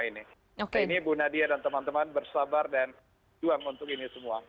ini bu nadia dan teman teman bersabar dan juang untuk ini semua